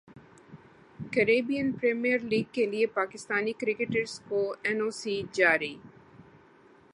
Caribbean premiere league کیلئے Pakistani cricketers کو N O C جاری